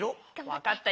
わかった。